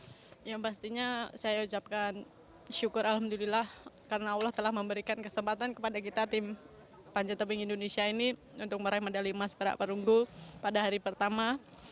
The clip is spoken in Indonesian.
yang pastinya saya ucapkan syukur alhamdulillah karena allah telah memberikan kesempatan kepada kita tim panjat tebing indonesia ini untuk meraih medali emas perak perunggu pada hari pertama